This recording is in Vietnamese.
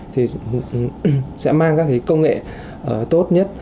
thì sẽ mang các cái công nghệ tốt nhất